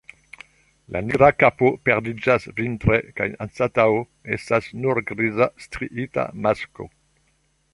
La nigra kapo perdiĝas vintre kaj anstataŭ estas nur griza striita masko.